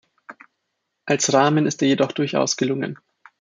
Als Rahmen ist er jedoch durchaus gelungen.